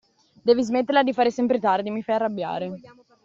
Devi smetterla di fare sempre tardi, mi fai arrabbiare.